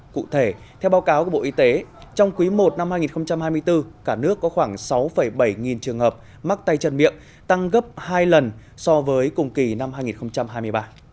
cụ thể theo báo cáo của bộ y tế trong quý i năm hai nghìn hai mươi bốn cả nước có khoảng sáu bảy nghìn trường hợp mắc tay chân miệng tăng gấp hai lần so với cùng kỳ năm hai nghìn hai mươi ba